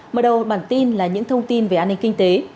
mở đầu bản tin là những thông tin về an ninh kinh tế